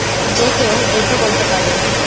যে কেউ এই তো বলতে পারে।